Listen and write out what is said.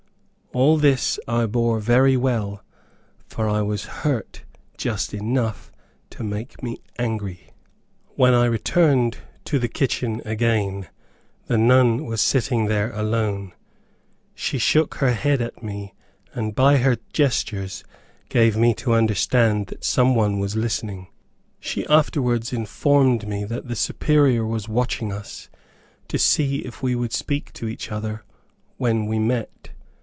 All this I bore very well, for I was hurt just enough to make me angry. When I returned to the kitchen again, the nun was sitting there alone. She shook her head at me, and by her gestures gave me to understand that some one was listening. She afterwards informed me that the Superior was watching us, to see if we would speak to each other when we met.